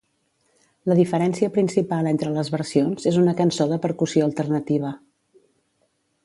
La diferència principal entre les versions és una cançó de percussió alternativa.